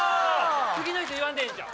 次の人言わんでええんちゃう？